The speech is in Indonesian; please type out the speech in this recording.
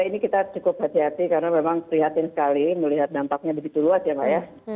ini kita cukup hati hati karena memang prihatin sekali melihat dampaknya begitu luas ya pak ya